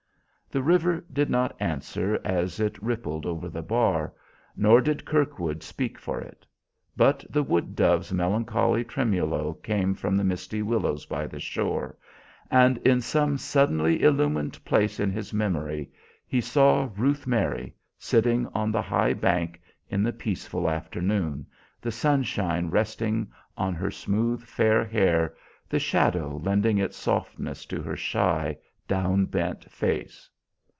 The river did not answer as it rippled over the bar, nor did Kirkwood speak for it; but the wood dove's melancholy tremolo came from the misty willows by the shore, and in some suddenly illumined place in his memory he saw Ruth Mary, sitting on the high bank in the peaceful afternoon, the sunshine resting on her smooth, fair hair, the shadow lending its softness to her shy, down bent face.